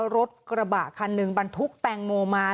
รถกระบะคันหนึ่งบรรทุกแตงโมมา